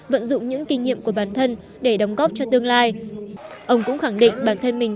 vận dụng những kinh nghiệm của bản thân để đóng góp cho tương lai ông cũng khẳng định bản thân mình